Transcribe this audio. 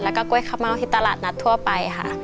แล้วก็กล้วยข้าวเม่าที่ตลาดนัดทั่วไปค่ะ